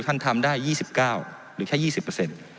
ท่านทำได้๒๙หรือแค่๒๐